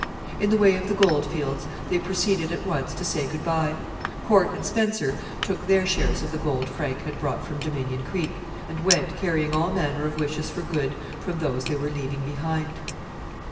In the way of the goldfields, they proceeded at once to say good bye. Corte and Spencer took their shares of the gold Frank had brought from Dominion Creek, and went, carrying all manner of wishes for good from those they were leaving behind.